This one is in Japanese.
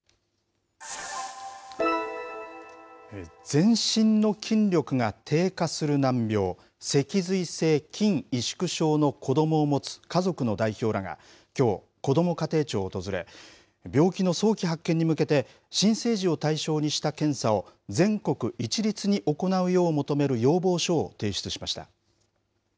全身の筋力が低下する難病脊髄性筋萎縮症の子どもを持つ家族の代表らがきょう、こども家庭庁を訪れ病気の早期発見に向けて新生児を対象にした検査を全国一律に行うよう求める要望書を提出しました。